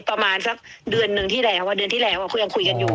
ประมาณสักเดือนหนึ่งที่แล้วเดือนที่แล้วคือยังคุยกันอยู่